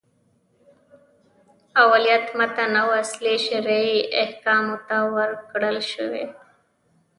اولویت متن او اصلي شرعي احکامو ته ورکړل شوی.